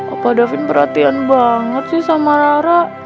apa davin perhatian banget sih sama rara